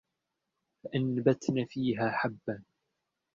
فَأَنبَتْنَا فِيهَا حَبًّا